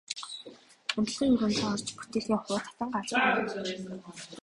Унтлагын өрөөндөө орж бүтээлгийг хуу татан газар хаяв.